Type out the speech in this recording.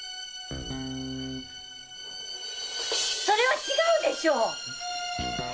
それは違うでしょう！